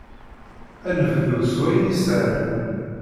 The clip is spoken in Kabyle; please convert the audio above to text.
Ad nebdu s wayen isehlen.